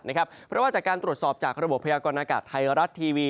เพราะว่าจากการตรวจสอบจากระบบพยากรณากาศไทยรัฐทีวี